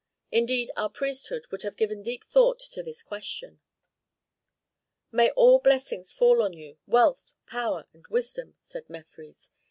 Indeed our priesthood have given deep thought to this question." "May all blessings fall on you, wealth, power, and wisdom," said Mefres.